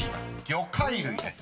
［魚介類です。